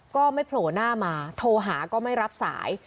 ก็ไม่โผล่หน้ามาโทรหาก็ไม่รับสาย